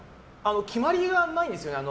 決まりがないんですよね。